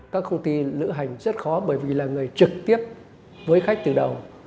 các công ty lữ hành rất khó bởi vì là người trực tiếp với khách từ đầu